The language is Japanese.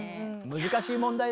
難しい問題だね。